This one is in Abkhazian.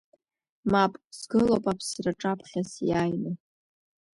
Мап, сгылоуп аԥсра аҿаԥхьа сиааины.